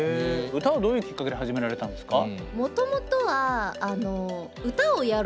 歌はどういうきっかけで始められたんですか？